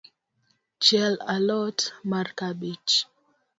Chiel a lot mar kabich.